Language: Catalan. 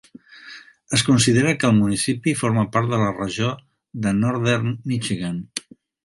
Es considera que el municipi forma part de la regió de Northern Michigan.